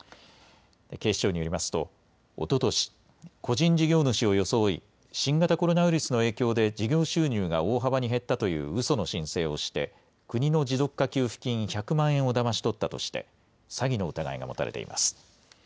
警視庁によりますと、おととし個人事業主を装い新型コロナウイルスの影響で事業収入が大幅に減ったといううその申請をして国の持続化給付金１００万円をだまし取ったとして詐欺の疑いが持たれています。